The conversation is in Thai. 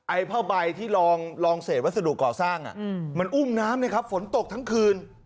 ผ้าใบที่ลองเศษวัสดุก่อสร้างมันอุ้มน้ำเลยครับฝนตกทั้งคืน